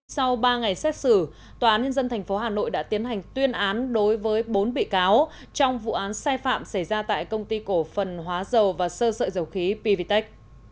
sau ba ngày xét xử tòa án nhân dân tp hà nội đã tiến hành tuyên án đối với bốn bị cáo trong vụ án sai phạm xảy ra tại công ty cổ phần hóa dầu và sơ sợi dầu khí pvtec